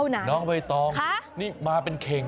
ช้าช้าอีกครั้ง